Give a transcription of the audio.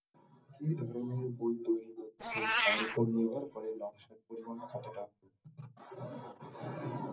কী ধরনের বই তৈরি হচ্ছে তার ওপর নির্ভর করে নকশার পরিমাণ কতটা হবে।